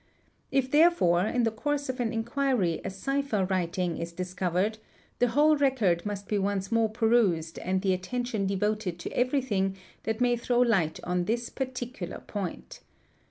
If therefore in the course of an inquiry a cipher writing is discovered, the whole record must be once more perused and the attention devoted to everything that may throw light on this particular point.